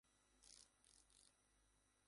আমি এখনই বিচারকদের জানাচ্ছি।